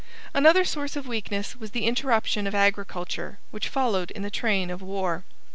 Another source of weakness was the interruption of agriculture which followed in the train of war.